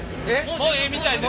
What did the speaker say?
もうええみたいです。